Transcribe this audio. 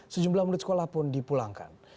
sejumlah murid sekolah pun dipulangkan